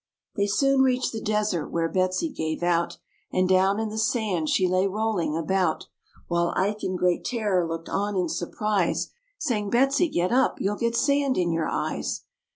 They soon reached the desert, where Betsy gave out, And down in the sand she lay rolling about; While Ike in great terror looked on in surprise, Saying "Betsy, get up, you'll get sand in your eyes."